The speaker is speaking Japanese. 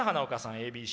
ＡＢＣ。